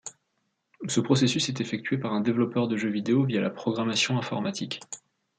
Ce processus est effectué par un développeur de jeux vidéo via la programmation informatique.